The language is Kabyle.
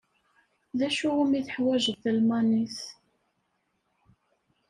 D acu umi teḥwajeḍ talmanit?